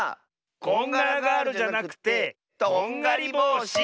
こんがらガールじゃなくてどんがりぼうし！